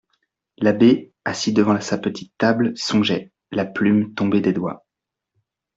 L'abbé, assis devant sa petite table, songeait, la plume tombée des doigts.